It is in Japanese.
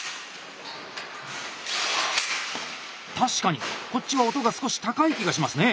確かにこっちは音が少し高い気がしますね。